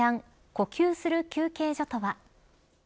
呼吸する休憩所とは。